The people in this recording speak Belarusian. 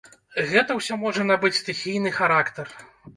Гэта ўсё можа набыць стыхійны характар.